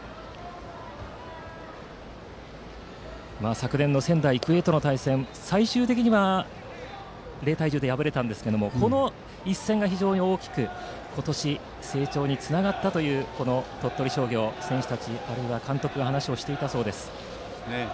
昨年の仙台育英との対戦は最終的には０対１０で敗れたんですがこの一戦が非常に大きく今年の成長につながったと鳥取商業の選手たちや監督が話をしていたそうです。